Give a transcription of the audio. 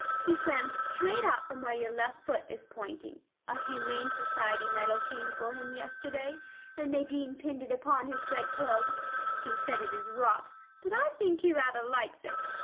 He swam straight out from where your left foot is pointing. A Humane Society medal came for him yesterday, and Nadine pinned it upon his bed clothes. He says it is rot, but I think he rather likes it.